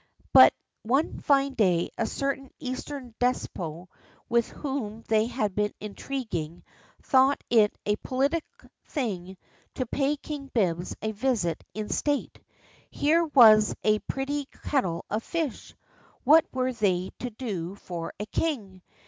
But one fine day a certain Eastern despot with whom they had been intriguing, thought it a politic thing to pay King Bibbs a visit IN STATE. Here was a pretty kettle of fish! What were they to do for a king?